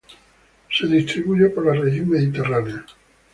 Se distribuye por la región mediterránea.